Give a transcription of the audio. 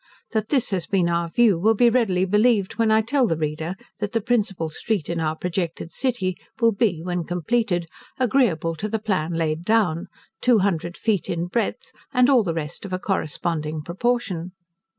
That this has been our view will be readily believed, when I tell the reader, that the principal street in our projected city will be, when completed, agreeable to the plan laid down, two hundred feet in breadth, and all the rest of a corresponding proportion.